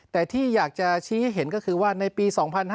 แต่ที่อยากจะชี้ให้เห็นก็คือว่าในปี๒๕๕๙